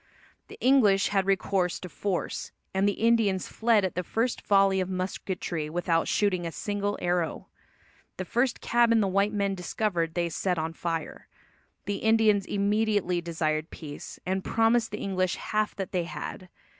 The English had recourse to force, and the Indians fled at the first volley of musketry without shooting a single arrow. The first cabin the white men discovered they set on fire. The Indians immediately desired peace, and promised the English half that they had.